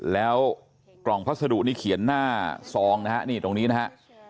แล้วกล่องพัสดุนี่เขียนหน้าซองนะฮะนี่ตรงนี้นะฮะ